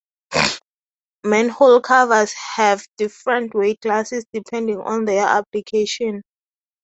Manhole covers have different weight classes depending on their application.